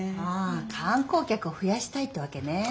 あ観光客をふやしたいってわけね。